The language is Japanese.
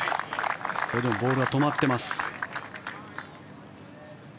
それでもボールは止まってます。